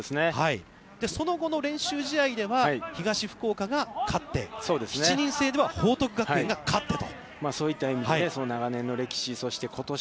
その後の練習試合では東福岡が勝って、７人制では報徳学園が勝ってと。